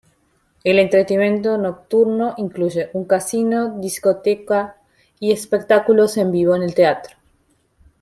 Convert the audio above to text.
El entretenimiento nocturno incluye un casino, discoteca y espectáculos en vivo en el teatro.